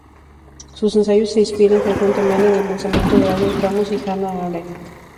Sus ensayos se inspiran frecuentemente en el pensamiento de Albert Camus y Hannah Arendt.